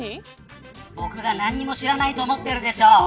僕が何も知らないと思ってるでしょ。